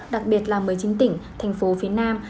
đặc biệt là một mươi chín tỉnh thành phố phía nam